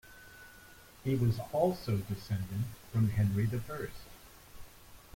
He was also descended from Henry the First.